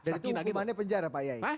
dan itu hukumannya penjara pak yay